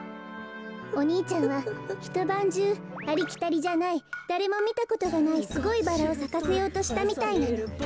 お兄ちゃんはひとばんじゅうありきたりじゃないだれもみたことがないすごいバラをさかせようとしたみたいなの。